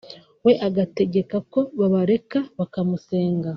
we agatgeka ko babareka bakamusanga